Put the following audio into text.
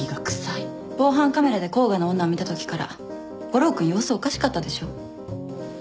防犯カメラで甲賀の女を見たときから悟郎君様子おかしかったでしょ。